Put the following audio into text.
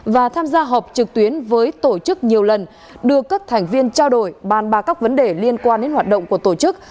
và tham gia họp trực tuyến với tổ chức nhiều lần đưa các thành viên trao đổi bàn ba các vấn đề liên quan đến hoạt động của tổ chức